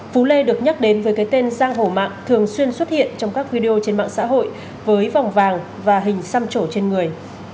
phú lê được nhắc đến với cái tên giang hổ mạng thường xuyên xuất hiện trong các video trên mạng xã hội với vòng vàng và hình xăm trổ trên người